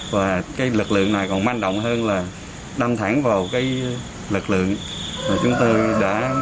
và cái lực lượng này còn manh động hơn là đâm thẳng vào cái lực lượng mà chúng tôi đã chốt chạy để tiến hành vai bác